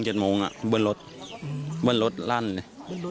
เบิร์นรถและเล่นเลยเบอร์นรถเล่นเลย